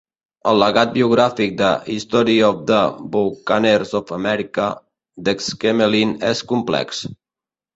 El legat bibliogràfic de "History of the Bouccaneers of America" d'Exquemelin és complex.